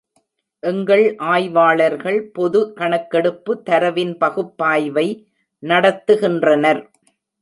எங்கள் ஆய்வாளர்கள் பொது கணக்கெடுப்பு தரவின் பகுப்பாய்வை நடத்துகின்றனர்.